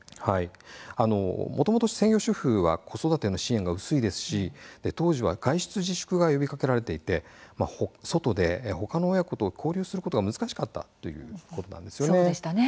もともと専業主婦には子育ての支援の薄いですし当時は外出自粛が呼びかけられていて外でほかの親子と交流することが難しかったということです。